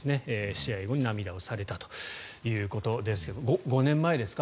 試合後に涙をされたということですけれど５年前ですか。